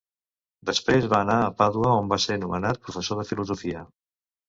Després va anar a Pàdua on va ser nomenat professor de filosofia.